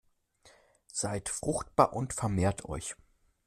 Seid fruchtbar und vermehrt euch!